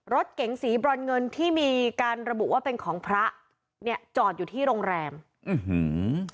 รถเก๋งสีบรอนเงินที่มีการระบุว่าเป็นของพระเนี่ยจอดอยู่ที่โรงแรมอื้อหือ